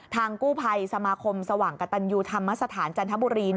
กู้ภัยสมาคมสว่างกระตันยูธรรมสถานจันทบุรี